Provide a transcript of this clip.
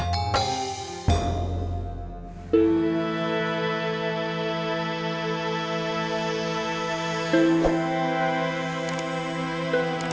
tapi selalu mengalami kesalahan